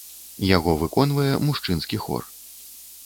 Яго выконвае мужчынскі хор.